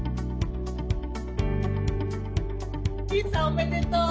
おめでとう！